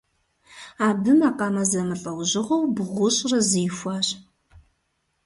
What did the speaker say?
Абы макъамэ зэмылӀэужьыгъуэу бгъущӏрэ зы ихуащ.